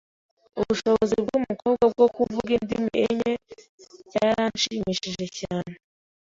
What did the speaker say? Ubushobozi bwumukobwa bwo kuvuga indimi enye byaranshimishije cyane.